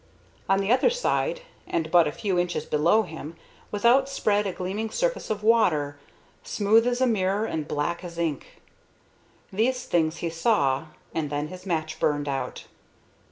On the other side, and but a few inches below him, was outspread a gleaming surface of water, smooth as a mirror and black as ink. These things he saw, and then his match burned out.